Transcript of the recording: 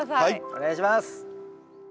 お願いします。